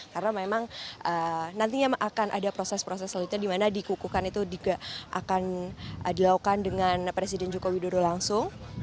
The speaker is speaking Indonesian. karena memang nantinya akan ada proses proses selanjutnya di mana dikukuhkan itu juga akan dilakukan dengan presiden joko widodo langsung